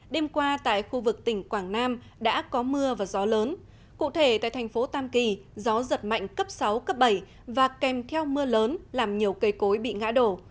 đêm qua tại khu vực tỉnh quảng nam đã có mưa và gió lớn cụ thể tại thành phố tam kỳ gió giật mạnh cấp sáu cấp bảy và kèm theo mưa lớn làm nhiều cây cối bị ngã đổ